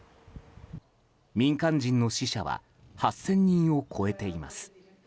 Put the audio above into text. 民間人の死者は８０００人を超えています。